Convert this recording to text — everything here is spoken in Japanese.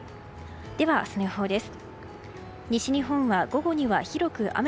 では、明日の予報です。